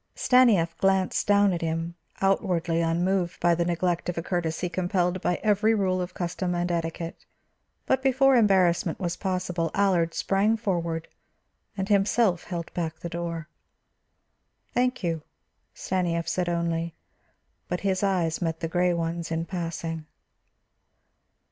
Stanief glanced down at him, outwardly unmoved by the neglect of a courtesy compelled by every rule of custom and etiquette; but before embarrassment was possible Allard sprang forward and himself held back the door. "Thank you," Stanief said only, but his eyes met the gray ones in passing.